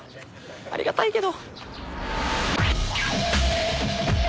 ありがたいけど。